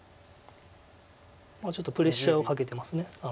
ちょっとプレッシャーをかけてます。